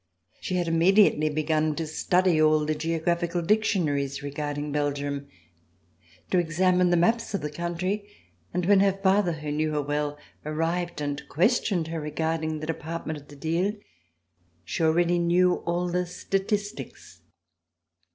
She had immediately begun to study all the geographical dictionaries regarding Belgium, to examine the maps of the country, and when her father, who knew her well, arrived and questioned her regarding the department of the Dyle, she already knew all the statistics.